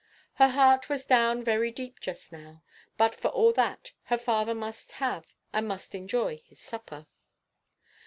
Her heart was down very deep just now, but for all that, her father must have and must enjoy his supper.